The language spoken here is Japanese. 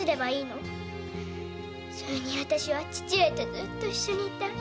それに私は父上とずっと一緒にいたい。